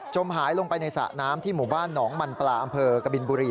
หายลงไปในสระน้ำที่หมู่บ้านหนองมันปลาอำเภอกบินบุรี